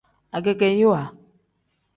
Agegeyiwa.